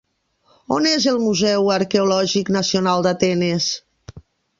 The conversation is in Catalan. On és el Museu Arqueològic Nacional d'Atenes?